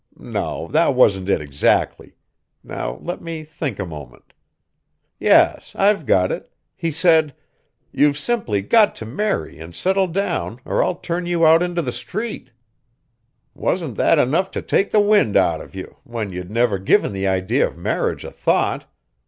No; that wasn't it exactly now let me think a moment. Yes, I've got it he said: 'You've simply got to marry and settle down or I'll turn you out into the street.'" "Wasn't that enough to take the wind out of you, when you'd never given the idea of marriage a thought.